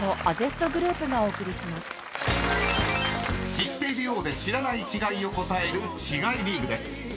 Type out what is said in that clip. ［知っているようで知らない違いを答える違いリーグです］